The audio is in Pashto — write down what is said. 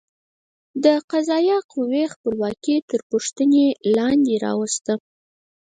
د قضایه قوې خپلواکي تر پوښتنې لاندې راوسته.